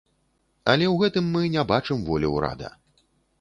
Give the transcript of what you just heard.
Але ў гэтым мы не бачым волі ўрада.